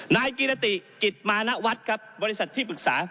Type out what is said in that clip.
นายกิรติกิจมานวัฒน์ครับบริษัทที่ปรึกษา